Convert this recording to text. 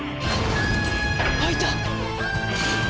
開いた！